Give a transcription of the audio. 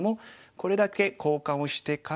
これだけ交換をしてから。